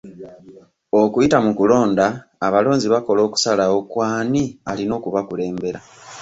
Okuyita mu kulonda, abalonzi bakola okusalawo ku ani alina okubakulembera.